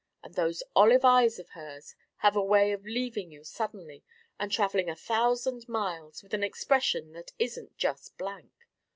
And those olive eyes of hers have a way of leaving you suddenly and travelling a thousand miles with an expression that isn't just blank.